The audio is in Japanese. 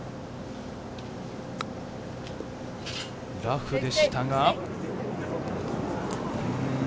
ラフでしたが。